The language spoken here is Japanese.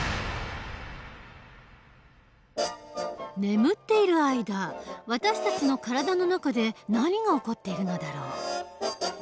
眠っている間私たちの体の中で何が起こっているのだろう？